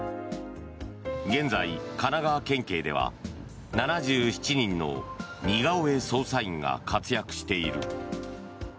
現在、神奈川県警では７７人の似顔絵捜査員が活躍している。